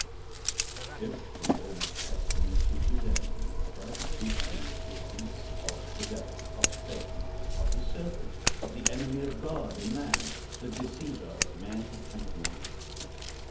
If the Old Testament teaches anything, it does teach the existence of the Devil, of Satan, of the Serpent, of the enemy of God and man, the deceiver of men and women.